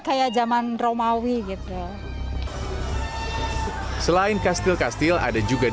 ada juga tempat yang terbaik untuk menikmati kastil yang terbaik